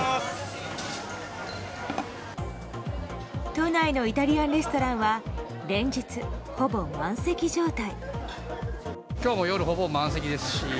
都内のイタリアンレストランは連日ほぼ満席状態。